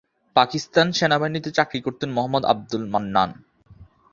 পাকিস্তান সেনাবাহিনীতে চাকরি করতেন মোহাম্মদ আবদুল মান্নান।